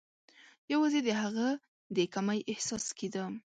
یوازي د هغه د کمۍ احساس کېده.